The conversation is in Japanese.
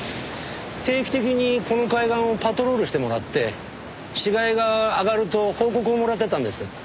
定期的にこの海岸をパトロールしてもらって死骸があがると報告をもらってたんです。